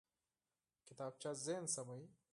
کتابچه ذهن سموي